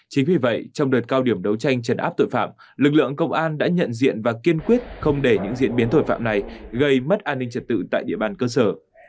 chính vì vậy trong đợt cao điểm đấu tranh chấn áp tội phạm lực lượng công an đã nhận diện và kiên quyết không để những diễn biến tội phạm này gây mất an ninh trật tự tại địa bàn cơ sở